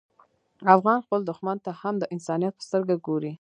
افغان خپل دښمن ته هم د انسانیت په سترګه ګوري.